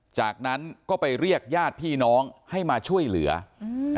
จากนั้นก็ไปเรียกญาติพี่น้องให้มาช่วยเหลืออืม